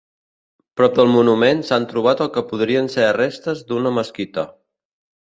Prop del monument, s'han trobat el que podrien ser restes d'una mesquita.